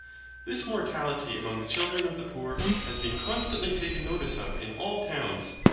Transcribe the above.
This mortality among the children of the poor has been constantly taken notice of in all towns.